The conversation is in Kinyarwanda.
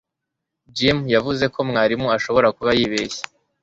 Jim yavuze ko mwarimu ashobora kuba yibeshye